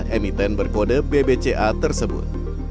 emiten berkode bbca tersebut